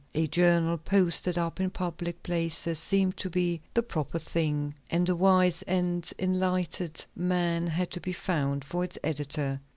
A journal posted up in public places seemed to be the proper thing, and a wise and enlightened man had to be found for its editor."